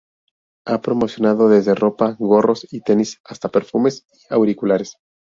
Ha promocionado desde ropa, gorros y tenis hasta perfumes y auriculares.